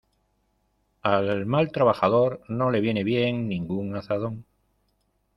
Al mal trabajador no le viene bien ningún azadón.